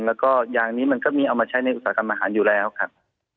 แล้วก็ยางนี้มันก็มีเอามาใช้ในอุตสาหกรรมอาหารอยู่แล้วครับ